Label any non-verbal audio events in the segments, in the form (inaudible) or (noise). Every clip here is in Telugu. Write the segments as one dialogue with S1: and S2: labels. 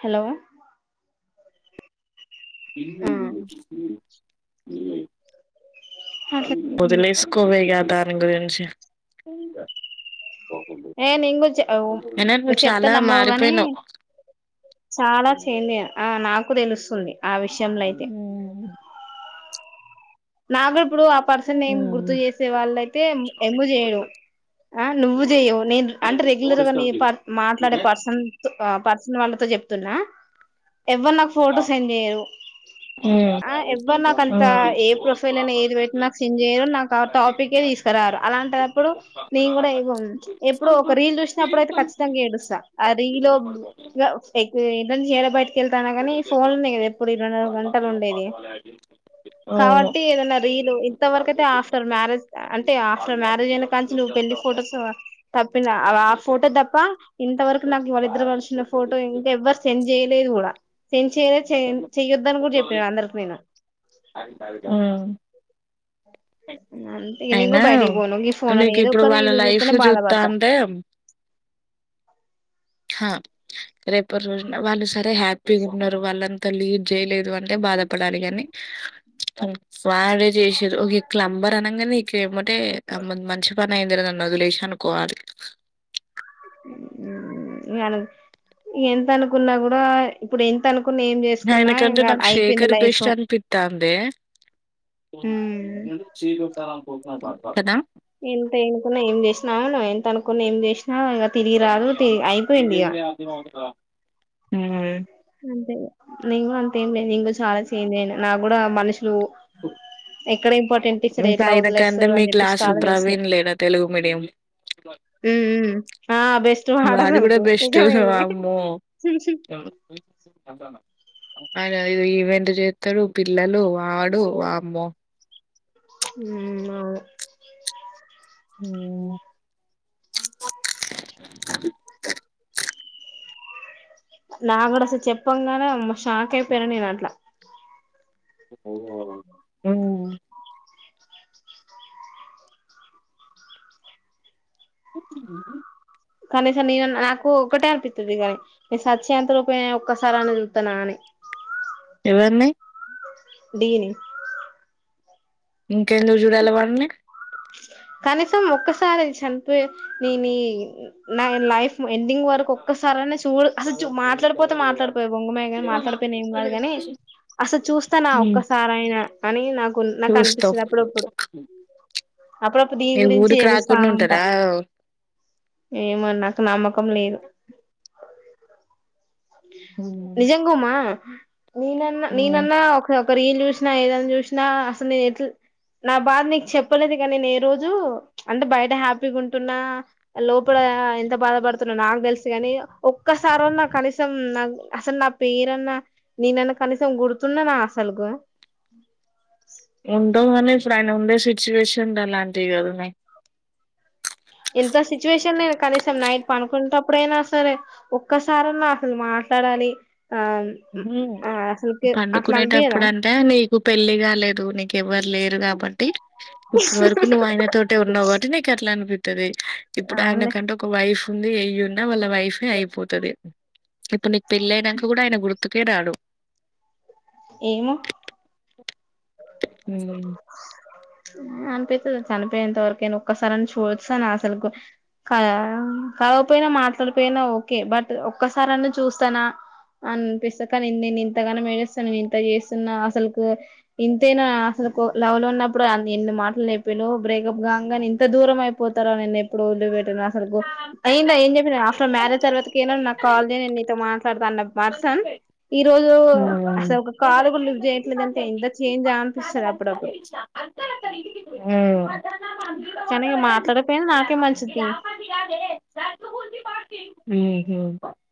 S1: హలో
S2: ఎన్న ఉఊ వచ్చ ఇ
S1: అట్లా
S2: ముదలేసుకోవవైగా ఆధారం గురించి
S1: ఏ న
S2: అయినా
S1: కూడా
S2: నువ్వు
S1: చెప్తా
S2: చాలా
S1: నమ్మవు గాని
S2: మారిపోయినవ్
S1: చాలా చెంది ఆ నాకు తెలుస్తుంది ఆ విషయంలో అయితే
S2: ఉమ్
S1: నాకు ఇప్పుడు ఆ పర్సన్ ఏం గుర్తు
S2: ఉమ్
S1: చేసే వాళ్ళయితే ఎమ చేయడు ఆ నువ్వు చెయ్యవు నేను అంటే రెగ్యులర్ గా ని పర్ మాట్లాడే పర్సన్ పర్సన్ వాళ్ళతో చెప్ న్నా ఎవ్వరు నాకు ఫోటో సెండ్ చేయ్యరు ఆ ఎవ్వర నాకంతా ఏ కేల ఏది పెట్టినా నాకు సెండ్ చేయరు నాకు ఆ టాపిక్ే తీసుకురారు అలాంటప్పుడు నేను కూడా ఎప్పుడో ఒక రీల్ చూసినప్పుడు అయితే ఖచ్చితంగా ఏడుస్తా ఆ రీల్ ఇగ అకౌం బయటికేళ్తానా కానీ ఫోన్ ఉనై గద ఎప్పుడు ఇరవై నాలుగు గంటలు
S2: అవును
S1: ట్టిగేదన్న రీల్ ఇంతవరకైతే ఆఫ్టర్ మ్యేజ్ అంటే ఆఫ్టర్ మ్యారేజ్ అయినా కంచి నువ్ పెళ్లి ఫోటోస్ తప్పిన్ద ఆ ఫోటో తప్ప ఇంతవరకు నాకు వాళిద్దరు కలసున్నా ఫోటో ఇంకా ఎవ్వరు సెండ్ చే చేయలేదు కూడా సెండ్ చేయలేదు చెయ చెయ్యొద్దని కూడా చెప్పిన అందరికి నేను
S2: ఉమ్
S1: అంతే ఇగ నిను
S2: అయినా
S1: కూడా బయటికి పోను గి ఫోన్లానే
S2: నీకు
S1: ఏదో
S2: ఇప్పుడు
S1: ఒక
S2: వాళ్ళ
S1: రిల్
S2: లైఫ్
S1: చూతనే బాధపడుతా
S2: చూత్తాంటే హ రేపటి రోజున వాళ్ళు సరే హ్యాపీగా ఉన్నారు వాళ్ళంతా లీడ్ చేయలేదు అంటే బాధ పడాలి కాని అన్ వాడే చేసిర్రు గిట్లా అంబర్ అనంగానే ఇక ఏమంటే మం మనుషుల్ పనైంద్రం దాన్నోదిలేసానుకోవళీ
S1: మ్ ఎంత అనుకున్నా కూడా ఇప్పుడు ఎంత అనుకు
S2: అయినకంటే నాకు శేఖర్
S1: లైఫ్
S2: బెస్ట్ అనిపిత్తాందే
S1: ఉమ్,
S2: కదా
S1: ఎంత ఎనుకున్నా ఏం చేసిన ఎంత అనుకున్న ఏం చేస్
S2: మ్
S1: అంతే ఇగ నిను కూడా అంతేం లేదు ఇంగ చాన చంజైన నాగ్గుడా మనుషులు ఎక్కడ ఇంపార్టెంట్
S2: (inaudible)
S1: ఇస్తారు
S2: ఇంకా
S1: ఎట్లా
S2: ఆయనకంటే
S1: వదిలేస్తారు
S2: మీ
S1: అని చెప్పేసి
S2: క్లాస్
S1: చాలా తెలుసు
S2: ప్రవీణ్ లేడా తెలుగు మీడియం
S1: ఉమ్, ఉమ్. ఆ బెస్ట్
S2: వాడు కూడా
S1: వాడసలుకు
S2: బెస్ట్
S1: నిజమేనే
S2: వమ్మో అయిన ఎదో ఈవెంట్ చేత్తడు పిల్లలు వాడు వమ్మో
S1: మ్ అవును
S2: మ్
S1: నాకు కూడా అసలు చెప్పంగానే అమ్మో షాకైపోయిన నేను అట్లా
S2: మ్
S1: కానీసం నేనన్న నాకు ఒకటే అనిపిస్తది కానీ నేను సచ్చే అంత లోపైన ఒక్కసారి అన్న చూత్తన అని (inaudible)
S2: ఎవ్వర్ని
S1: డీని
S2: ఇంకెందుకు చూడాలే వాడిని
S1: కనీసం ఒక్కసారి చనిపో నేను ని నా లైఫ్ ఎండింగ్ వరకు ఒక్కసారన్న చూడు అసలు చూ మాట్లాడపోతే మాట్లాడపోయే బొంగుమయే గాని మాట్లాడపోయిన ఎం కాదు కాని అసలు చూస్తా నా
S2: మ్మ్
S1: ఒక్కసారైనా అని నాకు
S2: చూస్తాం
S1: నాకనిపిస్తది అప్పుడప్పుడు అప్పుడప్పుడు దీని
S2: ఈ
S1: గురించి
S2: ఊరికి
S1: ఏడుస్తా
S2: రాకుండా
S1: ఉంటా
S2: ఉంటారా
S1: ఏమో నాకు నమ్మకం లేదు
S2: మ్మ్
S1: నిజంగ ఉమా నినన్నా
S2: మ్మ్
S1: ననన్నా ఒక ఒక రిల్ చూసిన ఏదన్న చూసిన అసల్ నిను ఎట్ నా బాధ నీకు చెప్పలేదు కానీ నేను ఏ రోజు అంటే బయట హ్యాపీగా ఉంటున్నా లోపల ఎంత బాధపడుతున్నా నాకు తెలుసు కాని ఒక్కసారన్న కనీస్ సం నా అసలు నా పేరన్నా నేనన్నా కనీసం గుర్తున్నానా అసలుకు (inaudible)
S2: కాని ఇప్పుడు ఆయన ఉండే సిచ్యువేషన్ అలాంటివి కదనే
S1: ఎంత సిచ్యువేషన్ నేను కనీసం నైట్ పనుకునేప్పుడైనా అసలే ఒక్కసారి ఉన్నా అసలు మాట్లాడాలి ఆ అసలుకి అట్లా అనిపియదా
S2: పండుకునేటప్పుడు అంటే నీకు పెళ్లి కాలేదు నీకు ఎవ్వరు లేరు కాబట్టి ఇప్పుటి వరకు నువ్వు ఆయన తోటే ఉన్నావు కాబట్టి నీకు అట్లా అనిపి ఇప్పుడు ఆయన
S1: అవునులే
S2: కంటే ఒక వైఫ్ (unintelligible) ఎయున్నా వాళ్ళ వైఫే అయిపోతది ఇప్పుడు నీకు పెళ్ళి అయినాంక కూడా ఆయన గుర్ గుర్తు కే రాడు
S1: ఏమో
S2: ఉ
S1: అనిపోతది చనిపోయేంత వరకైనా ఒక్కసారి అని చూడచ్చాన అసలు కాకపోయినా మాట్లాడిపోయినా ఓకే బట్ ఒక్కసార అన్న చూస్తాన అని అనిపిస్తాక నేను నేను ఇంతగానం (unintelligible) స్తాను నేను ఇంత చేస్తున్నా అసలుకు ఇంతేనా అసలు లవ్ లో ఉన్నప్పుడు అన్ని ఎన్ని మాటలు నేర్పును బ్రేకప్ కాంగనే ఇంత దూరం అయిపోతారో నన్నను ఎప్పుడు (unintelligible) (unintelligible) మాట్లాడుత అన్న పర్సన్ ఈ రోజు
S2: ఉమ్.
S1: అసలు
S2: ఉమ్.
S1: ఒక కాలు కూడ లిఫ్ట్ చేయట్లేదంటే ఇంత చేంజ్ అనిపిస్తది అ
S2: ఆ
S1: కాని ఇగ మాట్లాడకపోయినా నాకే మంచిది
S2: (unintelligible) ఉ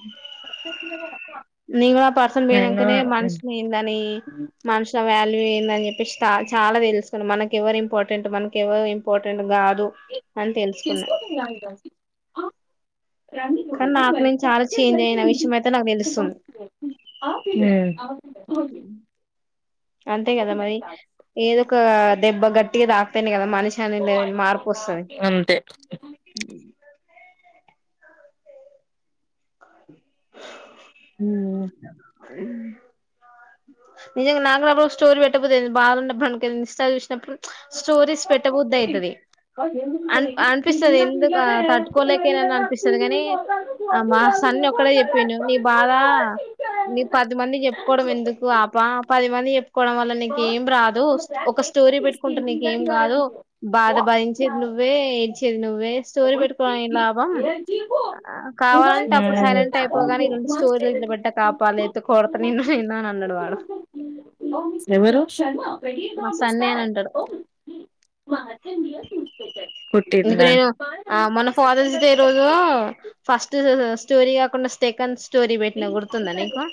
S2: ప్ర
S1: నీను కూడ ఆ పర్సన్ పోయినకనే మనిషిలేందని మనిషిల వాల్యూ ఏందని చెప్పేసి చాలా తెలుసుకున్న మనకు ఎవరు ఇంపార్టెంట్ మనకి ఎవరు ఇంపార్టెంట్ కాదు అని తెలుసుకున్నా కానీ నాకు నేను చాలా చేంజ్ అయిన విషయం అయితే నాకు
S2: హు
S1: తెలుస్తుంది
S2: (unintelligible)
S1: అంతే కదా మరి ఏదో ఒక దెబ్బ గట్టిగా దా మనిషి అని (unintelligible) మార్పు వస్తుంది
S2: అంతే ఆ
S1: అ నిజంగా నాకుప్పుడు స్టోరీ పెట్టకపోతే ఏంత బాధ ఉండ బనికి ఇంస్టా చూసినప్పుడు స్టోరీస్ పెట్టబధి అయితది అ అనిపిస్తుంది ఎందుకు తట్టుకోలేకేనాని అనిపిస్తది కని ఆ మాస్ సన్నీ ఒక్కడే చెప్పిండు నీ బాధ (unintelligible) పదిమంది చెప్పుకోవడం ఎందుకు ఆప పది మంది చెప్ కోడం వల్ల నీకేం రాదు ఒక స్టోరీ పెట్టుకుంటే నీకేం కాదు బాధ భరించేది నువ్వు వే స్టోరీ పెట్టుకోని లాభం కావాలంటే అప్పుడు సైలెంట్ అయిపోగా స్టో ఇల
S2: ఉమ్.
S1: పెట్ట కాపాలితు కొడత నిన్నంద అలడువాడు
S2: ఎవరు
S1: సన్నే అని అంటాడు
S2: కొట్టేద
S1: అందుకు నేను ఆ మొన్న ఫాదర్స్ డే రోజు ఫస్ట్ స్టోరీ కాకుండా సెకండ్ స్టోరీ పెట్టిన గుర్తుందా నీకు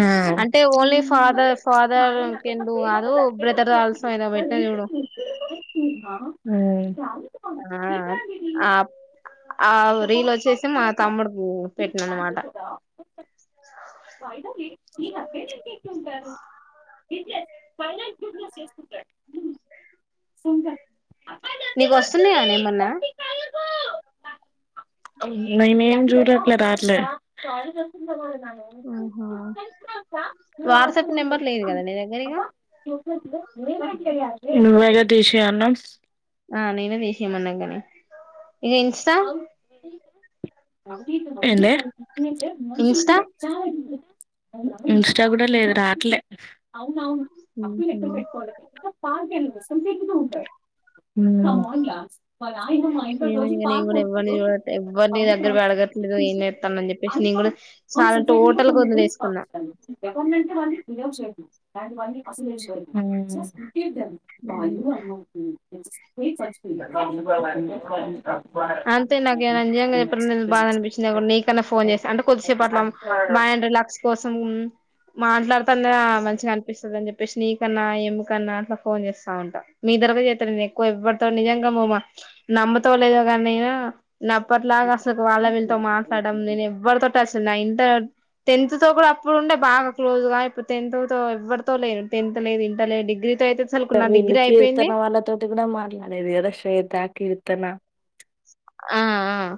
S2: ఆ
S1: అంటే ఓన్లీ ఫాదర్ ఫాదర్ (unintelligible) కాదు బ్రదర్ అల్సొ ఏదో పెట్టి
S2: ఉ
S1: ఆ ఆ రీలు వచ్చేసి మా తమ్ముడు
S2: (inaudible) ఇ ఫైనా చూస్త సుంద
S1: నీకు వస్తున్నాయానే ఏమన్నా
S2: మేమేమీ చూడట్ల రాట్ల
S1: ఉహు వాట్సాప్ నెంబర్ లేదు కదా నీ దగ్గర ఇగా
S2: నువ్వేగా తీసేయ్ అన్నావు
S1: ఆ నేను తీసేయమన్నాగనే ఇగ ఇన్స్టా
S2: ఏంది
S1: ఇన్స్టా
S2: ఇన్స్టా కూడా లేదు రాట్లే
S1: ఉహు.
S2: (unintelligible)
S1: (unintelligible) ఏమో
S2: హు
S1: ఇగ నేను కూడా ఎవరి ఎవరిని దగ్గర అడగట్లేదు ఏం చేత్తన్నావ్ అని చెప్పేసి నేను కూడా చాలా టోట
S2: (unintelligible) ఎవరినంటే వన్నీ యూస్ చేయకు (unintelligible) ఉ (unintelligible) (unintelligible)
S1: అంతే నాకు నిజంగా చెప్పడు నను బాగా అనిపించింది నీకన్నా ఫోన్ చేస్తా అంటే కొద్సేపు అట్ల మా లాస్ కోసం మాట్లాడుతనే మంచిగా అనిపిస్తుంది అని చెప్ నీ కన్నా ఏం కన్నా అట్లా ఫోన్ చేస్తా ఉంటా మీ దగ చేతా నేను ఎక్కువ ఇవ్వబడతాను నిజంగా మమా నమ్మతోవ లేదా నేను నే అప్పట్లాగా అసలు వాళ్ళ వీళ్ళతో మాట్లాడం నేను ఎవ్వరితోటి అసలు నైన్ టా టెన్త్ తో కూడా అప్పుడు ఉండే బాగా క్లోజ్ గా ఇప్పుడు టెన్త్ తో ఎవరితో లేదు టెన్త్ లేదు ఇంట లేదు డిగ్రీ అయితే అసలుకు నా
S2: వీళ్ళు
S1: అయిపోయింది
S2: కీర్తన వాళ్ళతోటి కూడా మాట్లాడేది కదా శ్వేత, కీర్తన
S1: ఆ ఆ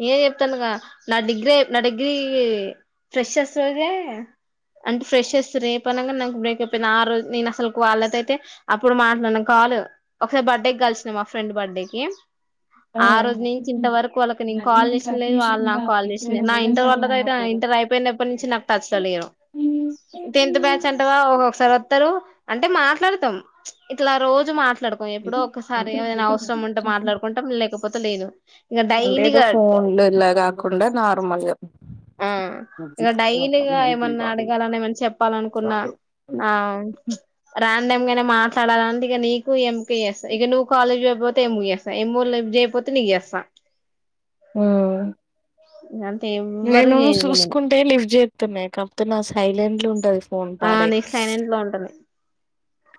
S1: నేనే చెప్తానుగా నా డిగ్రీ నా డిగ్రీ ఫ్రెషర్స్ రోజే అంటే ఫ్రెషర్స్ రేపగా నాకు బ్రేక్ అపోయింది ఆ రోజు నేను అసలు వాళ్ళతో అయితే అప్పుడు మాట్లాడను వాళ్ళ ఒకసారి బర్త్డే కలిసిన మా ఫ్రెండ్ బర్త్డే కి ఆ రోజు నుంచి ఇంత వరకు వాళ్ళ నేను కాల్ చేసినలేదు వాళ్ళు నాకు కాల్ చేసినంది నా ఇంటర్ వాళ్ళయితే ఇంటర్ అయిపోయినప్పటి నుంచి నాకు టచ్ లో లేరు టెన్త్ బ్యాచ్ అంటావా ఒక్కోక్కసారి వస్తారు అంటే మాట్లాడుతాం ఇట్లా రోజు మా మాట్లాడుకో ఎప్పుడో ఒకసారి ఏమైనా అవసరం ఉంటే మాట్లాడుకుంటా లేకపోతే లేదు ఇంక డైలీ
S2: ఫోన్ లో ఇలా రాకుండా నార్మల్ గా
S1: ఆ ఇక డైలీగా ఏమన్నా అడగాలని ఏమన్నా చెప్పాలనుకున్నా ఆ రండమ్గానే మా ట్లాడాలని ఇక నీకు ఎంపిఎస్ ఇక నువ్వు కాలేజ్ అయపో తే ముయసా ఏమో లిఫ్ట్ చేయకపోతే నీకు చేస్తా
S2: ఉ
S1: అంతే ఎవ్వరు
S2: నేను
S1: చేయను ఇగ నేను
S2: చూసుకుంటే లివ్ చేస్త కాకపోతే నాది సైలెంట్ లో ఉంటది ఫోన్
S1: ఆ
S2: పాడే
S1: నీ సైలెంట్ లో ఉంటది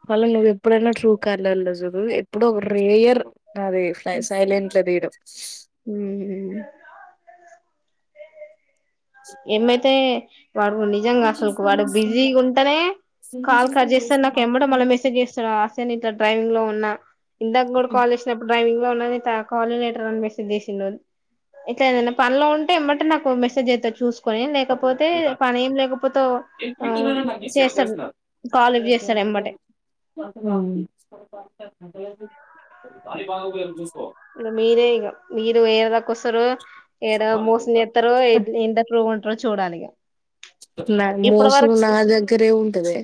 S2: మళ్ళ నువ్వు ఎప్పుడైనా ట్రూ కాలర్లో చూడు ఎప్పుడో రేర్ అదే సైలెంట్లో తీడు
S1: ఉ ఏమైతే వాడు నిజంగా అసలు వాడు బిజీ ఉంటేనే కాల్ కట్ చేస్తాడు నాకు ఎమ్మడ మళ్ళీ మెసేజ్ చేస్తాడు ఆశ నీతో ఇట్లా డ్రైవింగ్ లో ఉన్నా ఇందాక కూడా కాలేజ్డుడైవింగ్ లో ఉన్నది కాల్ యు లేటర్ అని మెసేజ్ చేసిండ ఇట్ ఏదైనా పనిలో ఉంటేమంటే నాకు మెసేజ్ చేత్తడు కొని లేకపోతే పని ఏం లేకపోతే ఆ చేస్తాడు కాల్ లిఫ్ట్ చేస్తారు ఎమ్బెటే
S2: అవును
S1: ఇంగ మీరే ఇగ మీరు ఏడి దాకా వస్తరో ఎడ మోసను చెత్తరో ఇంటర్లో కూడా చూడాలిగా
S2: నా మోసం నా దగ్గరే ఉంటదే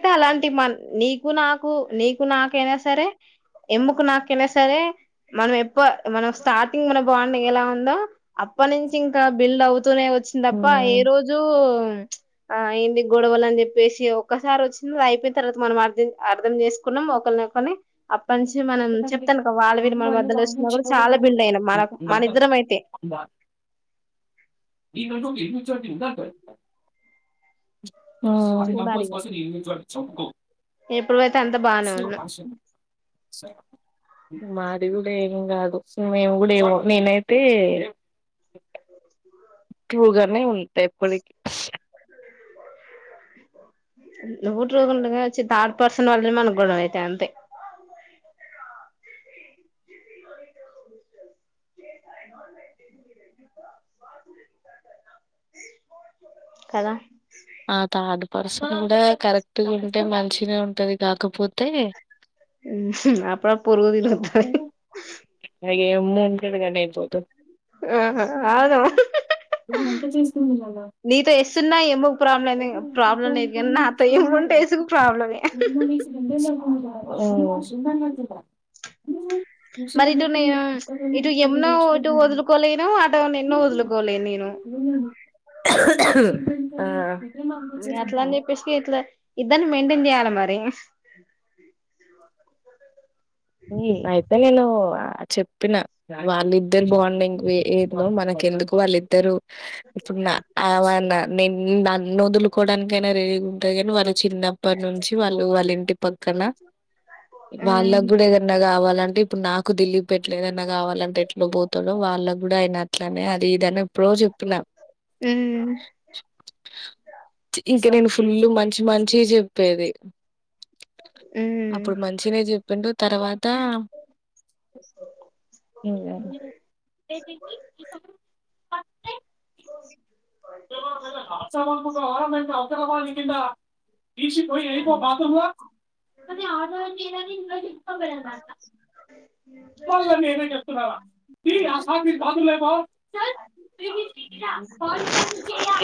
S1: అ అలాంటి మ నీకు నాకు నీకు నాకైనా సరే ఎమ్ముకు నాకు కైనా సరే మనం ఎప్పు మనం స్టార్టింగ్ మన బాగు మన ఎలా ఉందో అప్పుడు నుంచి ఇంకా బిల్డ్ అవుతూనే వచ్చింది తప్ప ఏ
S2: హ్మ్
S1: రోజు రోజు ఆ ఏంది గొడవలు అని చెప్పేసి ఒక్కసారి వచ్చింది అ అయిపోయిన తర్వాత మనం అర్థం అర్ధం చేసుకున్నాం ఒకలినికొని అప్పుడు నుంచి మనం చె తను వాళ్ళ వీళ్ళు మన మధ్యలో వచ్చిన కూడా చాలా బిల్డ్ అయిన మన మన ఇద్దరం అయితే
S2: ఈ నటు (unintelligible) ఈ క్రిందపై
S1: చూడాలి ఇగ ఎప్పుడుయితే అంత బాగానే ఉన్నాం
S2: అ సో మాది కూడా ఏం కాదు మేం కూడా ఏమో నేనైతే అంటే ట్రూగానే ఉంటా ఎప్పటికి
S1: నూ ట్రూగా ఉంటనే వచ్చి థర్డ్ పర్సన్ వాళ్ళ మన గోడావ అయితయి అంతే కదా
S2: ఆ థర్డ్ పర్సన్ కూడా కరెక్ట్గా ఉంటే మంచినే ఉంటది కాకపోతే
S1: ఉమ్ అప్పుడ పూరుగు తిని వస్తాది
S2: అగమే గడు గనే ఇబోదు
S1: ఆహా అవును
S2: వంట చేసుకొని తినాలా.
S1: నీతో ఎస్సున్నా ఏమో
S2: (unintelligible)
S1: ప్రాబ్లమే ప్రాబ్లం లేదు కానీ
S2: ఉమ్
S1: నాతో ఏముంటే ఎసుగు ప్రాబ్లమే మరి ఇటు నేను ఇటు యమున ఇటు వదులుకోలేను అటు నిన్ను వదులుకోలేను నేను
S2: (unintelligible) ఆ
S1: గట్లా అని చెప్పేస్తే గిట్లా ఇద్దరిన్ని మెయింటెన్ చేయాలమరి
S2: అయితే నేను చెప్పిన వాళ్ళిద్దరు బాండింగ్ ఏదో మనకెందుకు వాళ్ళద్దరు ఇద్దరు ఇప్పుడు నానా నేను నన్ను వదులుకోవడానికైనా రెడీగా ఉంటంది కాని వాళ్ళ చిన్నప్పటి నుంచి వాళ్ళు వాళ్ళ ఇంటి పక్కన వాళ్ళ
S1: ఉమ్
S2: ఇప్పుడే ఎదన్నా కావాలన్న ఇప్పుడు నాకు దీలీప్ ఎట్లేదన్నా కావాలంటే ఎట్లా పోతానో వాళ్ళకు కూడా ఆయన అట్లనే అది ఇదన్న ఇప్పుడు చెప్పున్నా
S1: అమ్
S2: ఫుల్లు మంచి మంచిగా చెప్పేది
S1: అమ్
S2: ను తర్వాత ఉమ్ అవును హాసవ మే అకరాబాద్ కింద తీసిపోయి అయిపో బాత్రూమ్ అ ఆ చేని ఇప్ప పెరందంట. నేనే చెప్తున్నార ఈ అసాంత దదులే బ చల్ తరా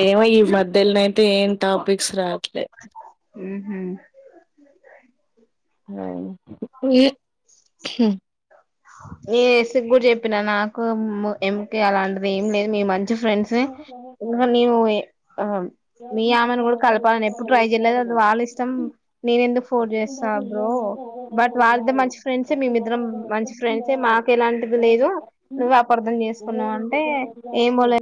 S2: ఏమ ఈ మధ్యనయితే ఏం టాపిక్స్ రావట్లే
S1: ఉహు
S2: అవు ఇగ ఉమ్
S1: ఈ ఎస్సిక్ గు చెప్పిన నాకు ఎంక అలాంటది ఏం లేదు మీ మంచి ఫ్రెండ్స్ నే మీ ఆమెను కూడా కలపాలని ఎప్పుడు ట్రై చెయలేదు అది వాళ్ళ ఇష్టం నేను ఎందుకు ఫోన్ చేస్తా బ్రో బట్ వాళ్ళద్దరు మంచి ఫ్రెండ్స్ మేమిద్దరం మంచి ఫ్రెండ్స్ తే మాకు ఎలాంటిది లేదు నువ్వు అపర్థం చేసుకున్నావు అంటే ఏమోలే